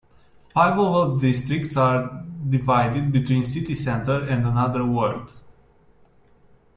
Five of the districts are divided between City Centre and another ward.